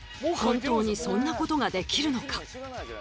本当にそんなことができるのか？